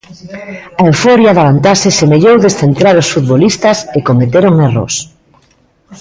A euforia da vantaxe semellou descentrar os futbolistas e cometeron erros.